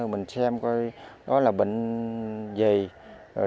mình xem coi đó là bệnh gì